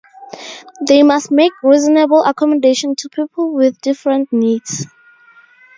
They must make reasonable accommodation to people with different needs.